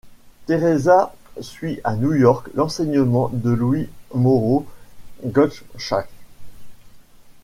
Teresa suit à New York l'enseignement de Louis Moreau Gottschalk.